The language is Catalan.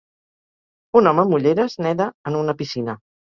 Un home amb ulleres neda en una piscina.